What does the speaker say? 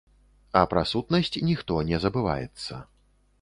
А пра сутнасць ніхто не забываецца.